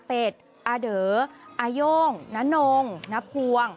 อเปชอเด๋ออโย่งนนงนพวง